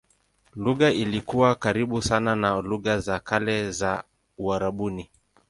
Lugha ilikuwa karibu sana na lugha za kale za Uarabuni.